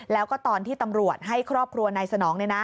แล้วก็ตอนที่ตำรวจให้ครอบครัวนายสนอง